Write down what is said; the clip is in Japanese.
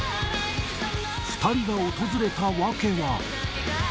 ２人が訪れた訳は。